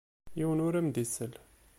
Yiwen ur am-d-isell.